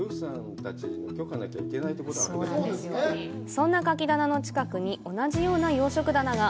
そんな牡蠣棚の近くに同じような養殖棚が。